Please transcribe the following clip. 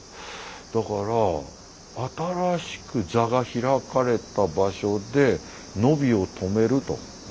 だから新しく座が開かれた場所で野火を止めると。